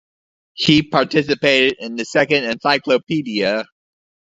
He participated in the Second Encyclopedia.